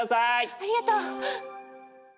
ありがとう！